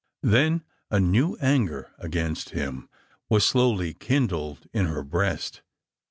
Then a new anger against him was slowly kindled in her breast.